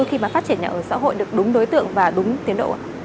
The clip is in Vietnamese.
khi mà phát triển nhà ở xã hội được đúng đối tượng và đúng tiến độ ạ